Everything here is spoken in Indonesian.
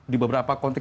di beberapa konteks